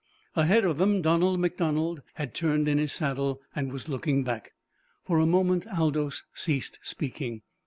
Ahead of them Donald MacDonald had turned in his saddle and was looking back. For a moment Aldous ceased speaking.